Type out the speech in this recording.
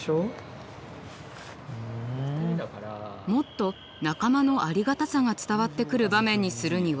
もっと仲間のありがたさが伝わってくる場面にするには？